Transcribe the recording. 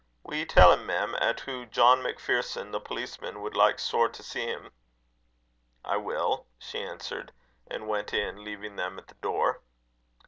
"Will ye tell him, mem, 'at hoo John MacPherson, the policeman, would like sair to see him?" "I will," she answered; and went in, leaving them at the door.